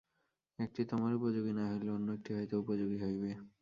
একটি তোমার উপযোগী না হইলে অন্য একটি হয়তো উপযোগী হইবে।